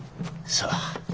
さあ。